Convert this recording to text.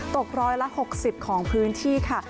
ตกร้อยละ๖๐ของพื้นที่ค่ะ